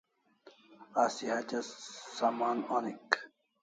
Asi hatya saman onik